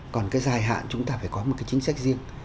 còn cái dài hạn chúng ta phải có một cái chính sách riêng